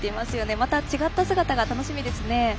また違った姿が楽しみですね。